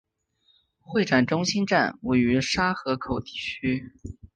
会展中心站位于沙河口区。